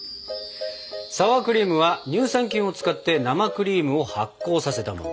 サワークリームは乳酸菌を使って生クリームを発酵させたもの。